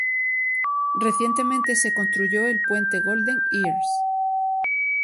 Recientemente se construyó el Puente Golden Ears.